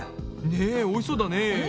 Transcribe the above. ねおいしそうだね。